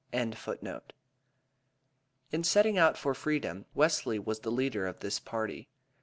] In setting out for freedom, Wesley was the leader of this party.